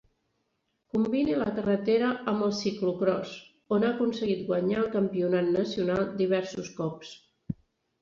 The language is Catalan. Combina la carretera amb el ciclocròs, on ha aconseguit guanyar el campionat nacional diversos cops.